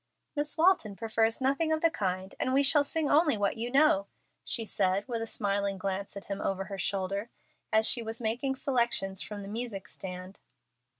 "Miss Walton prefers nothing of the kind, and we shall sing only what you know," she said, with a smiling glance at him over her shoulder, as she was making selections from the music stand.